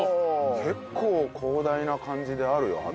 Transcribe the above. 結構広大な感じであるよ畑ね。